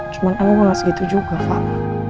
cuman aku nggak segitu juga fak